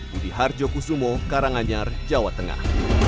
budi harjo kusumo karanganyar jawa tengah